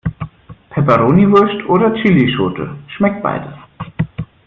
Peperoniwurst oder Chillischote schmeckt beides.